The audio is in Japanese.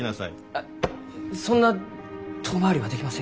あそんな遠回りはできませんき。